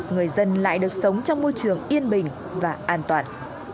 người dân lại được sống trong môi trường yên bình và an toàn